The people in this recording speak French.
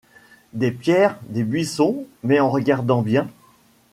Des pierres, des buissons. -Mais, en regardant bien